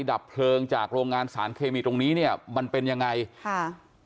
ดับเพลิงจากโรงงานสารเคมีตรงนี้เนี่ยมันเป็นยังไงค่ะ